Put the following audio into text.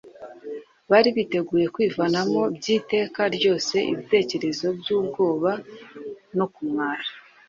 Bari biteguye kwivanamo by'iteka ryose ibitekerezo by'ubwoba no kumwara.